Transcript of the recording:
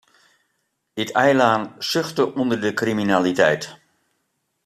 It eilân suchte ûnder de kriminaliteit.